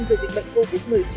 về dịch bệnh covid một mươi chín